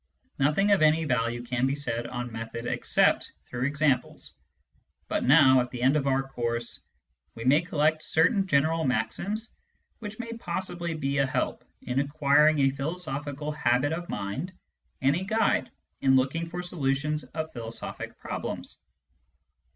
Nothing of any value can be said on method except through examples ; but now, at the end of our course, we may collect certain general maxims which may pos sibly be a help in acquiring a philosophical habit of mind and a guide in looking for solutions of philosophic problems.